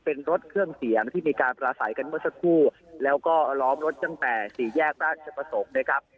เป็นรถเครื่องเสียงที่มีการปราศัยกันเมื่อสักครู่แล้วก็ล้อมรถตั้งแต่สี่แยกราชประสงค์นะครับ